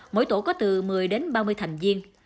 mỗi tổ có từ một mươi đến ba mươi thành viên